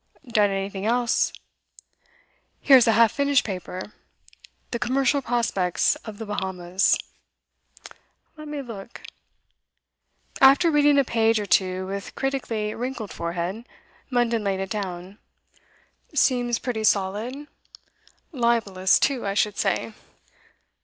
'Done anything else?' 'Here's a half finished paper "The Commercial Prospects of the Bahamas."' 'Let me look.' After reading a page or two with critically wrinkled forehead, Munden laid it down. 'Seems pretty solid, libellous, too, I should say.